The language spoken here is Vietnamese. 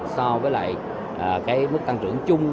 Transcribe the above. so với mức tăng trưởng chung